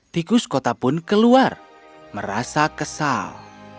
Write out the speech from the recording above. tikus kota pun keluar merasa kesal